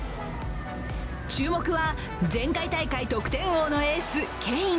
注目は、前回大会得点王のエース、ケイン。